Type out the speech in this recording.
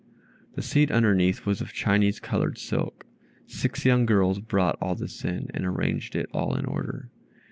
The seat underneath was of Chinese colored silk. Six young girls brought all this in, and arranged it all in order.